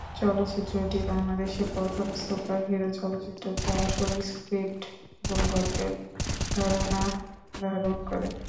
চলচ্চিত্রটি বাংলাদেশের প্রথম সুপারহিরো চলচ্চিত্র, যা আসল স্ক্রিপ্ট এবং গল্পের ধারণা ধারণ করে।